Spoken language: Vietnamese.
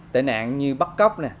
tệ nạn như bắt cốc